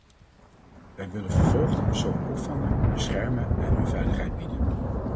Wij willen vervolgde personen opvangen, beschermen en hun veiligheid bieden.